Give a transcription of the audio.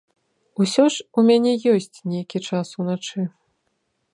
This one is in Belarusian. Усё ж у мяне ёсць нейкі час уначы.